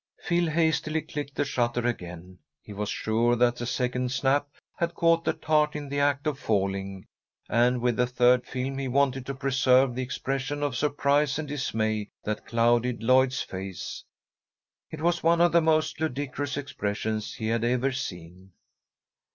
Phil hastily clicked the shutter again. He was sure that the second snap had caught the tart in the act of falling, and with the third film he wanted to preserve the expression of surprise and dismay that clouded Lloyd's face. It was one of the most ludicrous expressions he had ever seen.